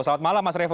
selamat malam mas revo